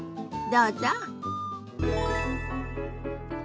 どうぞ。